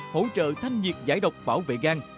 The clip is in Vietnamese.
hỗ trợ thanh nhiệt giải độc bảo vệ gan